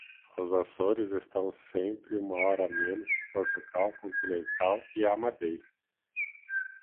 Os Açores estão sempre uma hora a menos que Portugal continental e a Madeira.